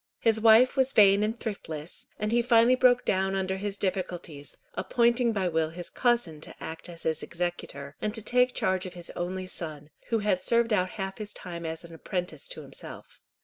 His wife was vain and thriftless, and he finally broke down under his difficulties, appointing by will his cousin to act as his executor, and to take charge of his only son, who had served out half his time as apprentice to himself.